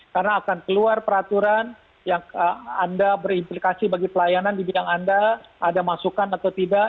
karena akan keluar peraturan yang anda berimplikasi bagi pelayanan di bidang anda ada masukan atau tidak